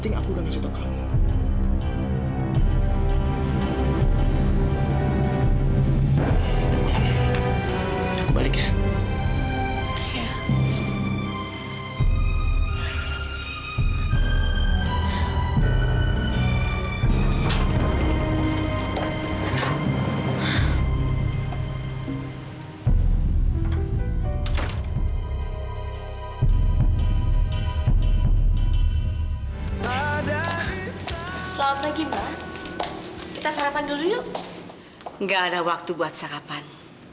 gak ada waktu buat sarapan